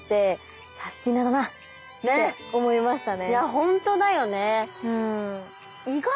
ホントだよね！